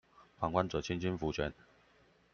旁觀者清心福全